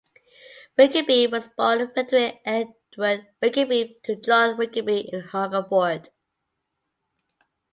Rickaby was born Frederick Edward Rickaby to John Rickaby in Hungerford.